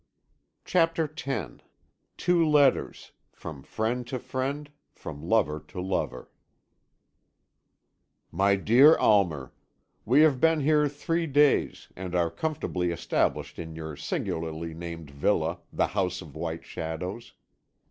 CHAPTER X TWO LETTERS FROM FRIEND TO FRIEND, FROM LOVER TO LOVER I "My Dear Almer, We have been here three days, and are comfortably established in your singularly named villa, the House of White Shadows.